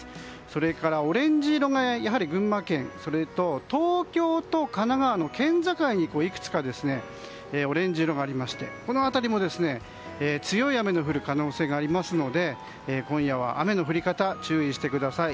それからオレンジ色が群馬県、東京と神奈川の県境にいくつかオレンジ色がありましてこの辺りも強い雨の降る可能性がありますので今夜は雨の降り方注意をしてください。